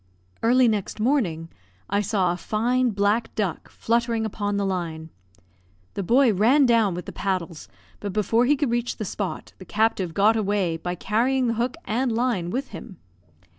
Early next morning, I saw a fine black duck fluttering upon the line. The boy ran down with the paddles, but before he could reach the spot, the captive got away by carrying the hook and line with him.